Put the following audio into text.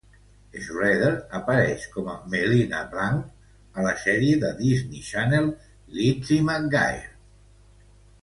Schroeder apareix com a Melina Bianco a la sèrie de Disney Channel "Lizzie McGuire".